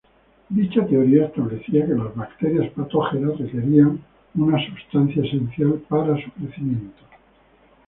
Dicha teoría establecía que las bacterias patógenas requerían una ""sustancia esencial"" para su crecimiento.